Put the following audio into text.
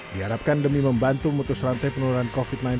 diharapkan demi membantu memutus rantai penularan covid sembilan belas